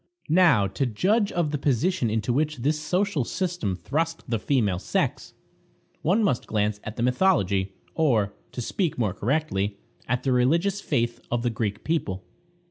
Now, to judge of the position into which this social system thrust the female sex, one must glance at the mythology, or, to speak more correctly, at the religious faith of the Greek people.